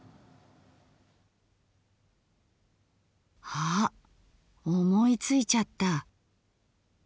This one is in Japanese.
あ思いついちゃった。